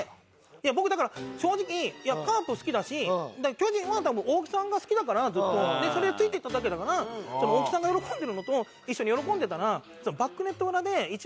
僕だから正直カープ好きだし巨人は大木さんが好きだからそれについて行っただけだから大木さんが喜んでるのと一緒に喜んでたら。